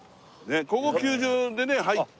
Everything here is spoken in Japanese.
ここ球場でね入って。